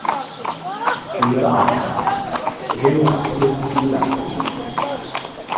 তুমি তো আত্মা এবং এই আত্মানুভূতিই লাভ করিতে হইবে।